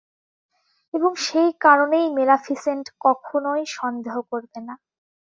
এবং সেই কারণেই মেলাফিসেন্ট কখনই সন্দেহ করবেনা।